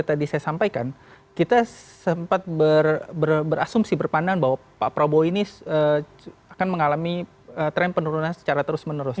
tadi saya sampaikan kita sempat berasumsi berpandang bahwa pak prabowo ini akan mengalami tren penurunan secara terus menerus